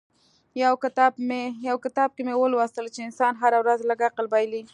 يو کتاب کې مې ولوستل چې انسان هره ورځ لږ عقل بايلي.